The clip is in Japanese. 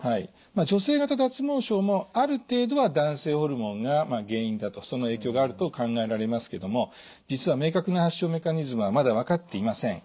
女性型脱毛症もある程度は男性ホルモンが原因だとその影響があると考えられますけども実は明確な発症メカニズムはまだ分かっていません。